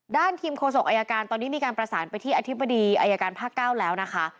ทีมโฆษกอายการตอนนี้มีการประสานไปที่อธิบดีอายการภาค๙แล้วนะคะ